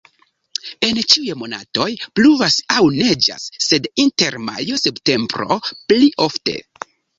En ĉiuj monatoj pluvas aŭ neĝas, sed inter majo-septembro pli ofte.